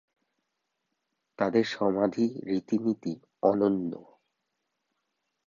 তাদের সমাধি রীতিনীতি অন্যন্য।